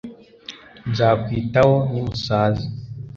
Nzakwitaho nimusaza